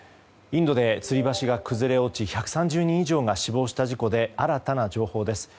インドでつり橋が崩れ落ち１３０人以上が死亡した事故で新たな情報です。